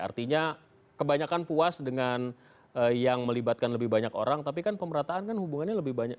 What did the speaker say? artinya kebanyakan puas dengan yang melibatkan lebih banyak orang tapi kan pemerataan kan hubungannya lebih banyak